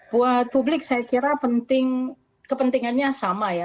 buat publik saya kira kepentingannya sama ya